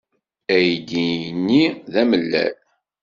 Aydi-nni d amellal.